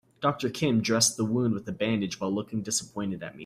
Doctor Kim dressed the wound with a bandage while looking disappointed at me.